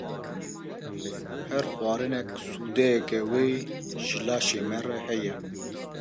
Her xwarinek sûdeke wê ji laşê me re heye.